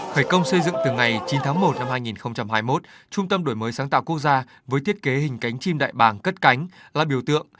khởi công xây dựng từ ngày chín tháng một năm hai nghìn hai mươi một trung tâm đổi mới sáng tạo quốc gia với thiết kế hình cánh chim đại bàng cất cánh là biểu tượng